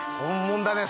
本物だね